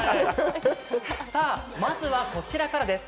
まずはこちらからです。